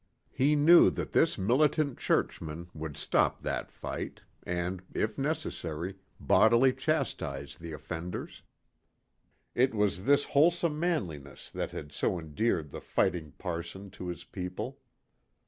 He knew that this militant churchman would stop that fight, and, if necessary, bodily chastise the offenders. It was this wholesome manliness that had so endeared the "fighting parson" to his people.